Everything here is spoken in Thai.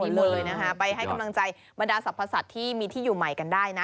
หมดเลยนะคะไปให้กำลังใจบรรดาสรรพสัตว์ที่มีที่อยู่ใหม่กันได้นะ